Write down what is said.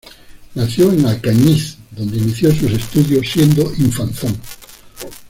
Nació en Alcañiz, donde inició sus estudios, siendo infanzón.